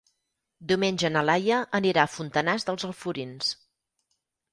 Diumenge na Laia anirà a Fontanars dels Alforins.